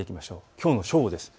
きょうの正午です。